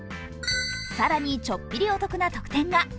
更にちょっぴりお得な特典が。